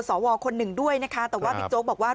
สวคนหนึ่งด้วยนะคะแต่ว่าบิ๊กโจ๊กบอกว่า